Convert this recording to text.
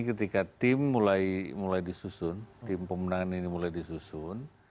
ketika tim mulai disusun tim pemenangan ini mulai disusun